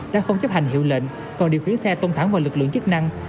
đã không chấp hành hiệu lệnh còn điều khiển xe tông thẳng vào lực lượng chức năng